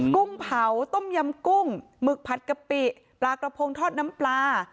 กุ้งเผาต้มยำกุ้งหมึกผัดกะปิปลากระพงทอดน้ำปลา